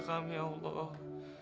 kau semua liat ya